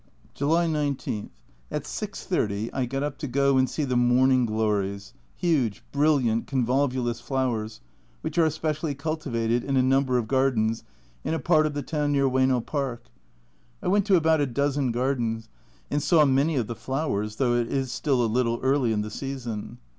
July 19. At 6.30 I got up to go and see the "Morning Glories," huge brilliant convolvulus flowers, which are specially cultivated in a number of gardens in a part of the town near Oyeno Park. We went to about a dozen gardens, and saw many of the flowers, though it is still a little early in the season.